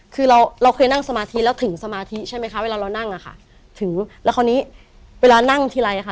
คือเราเราเคยนั่งสมาธิแล้วถึงสมาธิใช่ไหมคะเวลาเรานั่งอะค่ะถึงแล้วคราวนี้เวลานั่งทีไรอ่ะค่ะ